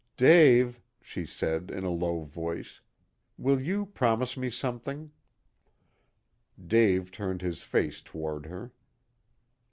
"Dave," she said, in a low voice, "will you promise me something?" Dave turned his face toward her.